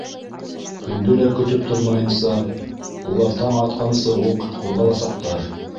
Көндө лә көтөп тормайынса, улар таң атҡансы уҡ ҡуҙғаласаҡтар.